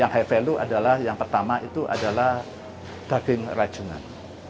yang high value adalah yang pertama itu adalah daging rajungan